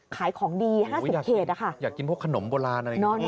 ขายของดี๕๐เคตนะคะอยากกินพวกขนมโบราณ